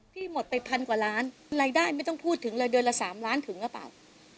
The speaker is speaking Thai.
หมดไปพันกว่าล้านรายได้ไม่ต้องพูดถึงเลยเดือนละ๓ล้านถึงหรือเปล่า